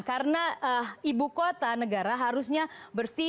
karena ibu kota negara harusnya bersih